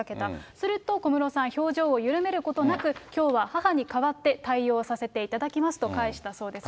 すると、小室さん、表情を緩めることなく、きょうは母に代わって、対応させていただきますと返したそうです。